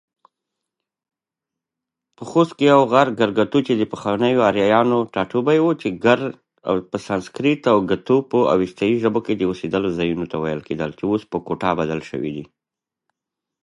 ایا زه باید د ولادت عملیات وکړم؟